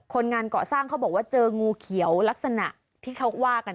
คนงานเกาะสร้างเขาบอกว่าเจองูเขียวลักษณะที่เขาว่ากัน